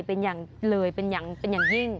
เป็นอย่างเลยเป็นอย่างหิ้ง